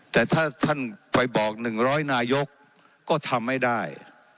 แต่ถ้าท่านไปบอกหนึ่งร้อยนายกก็ทำไม่ได้